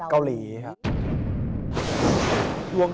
เกาหลีครับ